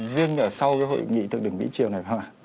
riêng ở sau cái hội nghị thượng đỉnh mỹ triều này vừa